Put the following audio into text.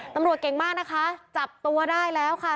ตำรวจเก่งมากนะคะจับตัวได้แล้วค่ะ